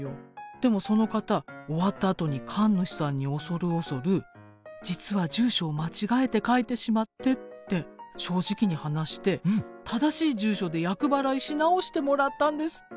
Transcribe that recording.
でもその方終わったあとに神主さんに恐る恐る「実は住所を間違えて書いてしまって」って正直に話して正しい住所で厄払いし直してもらったんですって。